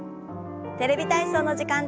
「テレビ体操」の時間です。